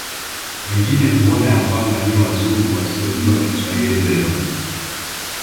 Wengine huona ya kwamba ni Wazungu wasiojua Kiswahili vema